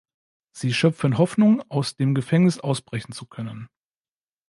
Sie schöpfen Hoffnung, aus dem Gefängnis ausbrechen zu können.